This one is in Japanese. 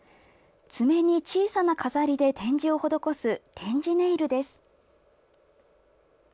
爪に小さな飾りで点字を施す、点字ネイルです。